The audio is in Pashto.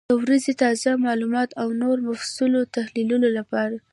د ورځني تازه معلوماتو او نورو مفصلو تحلیلونو لپاره،